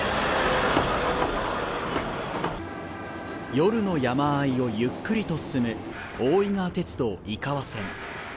夜の山あいをゆっくりと進む大井川鐵道井川線。